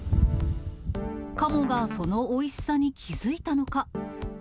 カモがそのおいしさに気付いたのか。